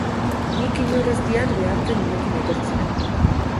Nik inor ez diat behartzen nirekin etortzera.